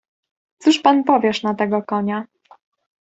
"Cóż pan powiesz na tego konia?"